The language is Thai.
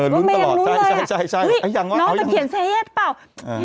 รุ้นตลอดใช่อะยังว่าเขาจะเขียนเซเยสป่าว